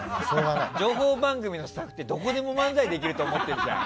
情報番組の人ってどこでも漫才できると思ってるじゃん。